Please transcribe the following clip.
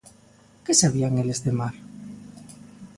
Que sabían eles de mar?